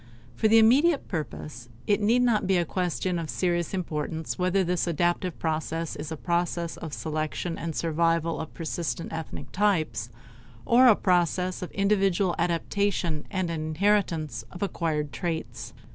For the immediate purpose it need not be a question of serious importance whether this adaptive process is a process of selection and survival of persistent ethnic types or a process of individual adaptation and an inheritance of acquired traits.